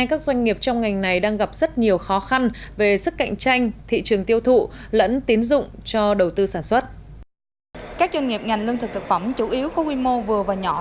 các doanh nghiệp ngành lương thực thực phẩm chủ yếu có quy mô vừa và nhỏ